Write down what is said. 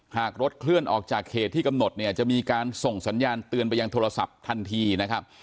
หากรถเคลื่อนออกจากเขตที่กำหนดเนี่ยจะมีการส่งสัญญาณเตือนไปยังโทรศัพท์ทันทีนะครับ